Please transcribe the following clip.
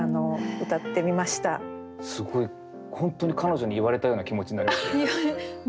すごい本当に彼女に言われたような気持ちになりますね。